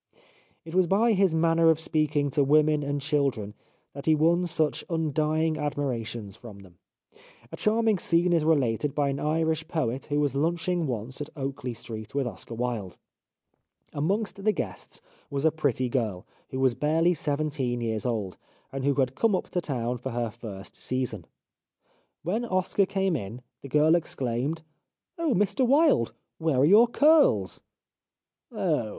It was by his manner of speaking to women and children that he won such undying admirations from them. A charming scene is related by an Irish poet who was lunching once at Oakley Street \vith Oscar Wilde. Amongst the guests was a pretty girl, who was barely seventeen years old, and who had come up to town for her first season. When Oscar came in the girl exclaimed :" Oh ! Mr Wilde, where are your curls ?"" Oh